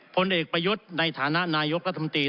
ผลเอกประยุทธ์ในฐานะนายกรัฐมนตรี